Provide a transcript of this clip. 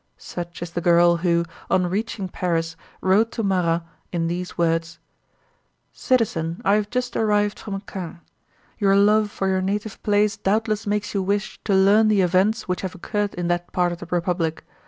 Such is the girl who, on reaching Paris, wrote to Marat in these words: Citizen, I have just arrived from Caen. Your love for your native place doubtless makes you wish to learn the events which have occurred in that part of the republic.